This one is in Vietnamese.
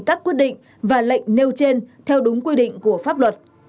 các quyết định và lệnh nêu trên theo đúng quy định của pháp luật